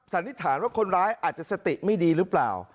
สันนิษฐานว่าคนร้ายอาจจะสติไม่ดีหรือเปล่า